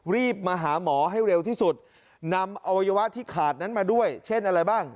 รีบมาหาหมอให้เร็วที่สุดนำอวัยวะที่ขาดนั้นมาด้วยเช่นอะไรบ้าง